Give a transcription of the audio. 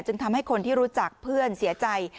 ทำให้คนที่รู้จักเพื่อนเสียใจ